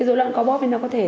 dối loạn co bóp có thể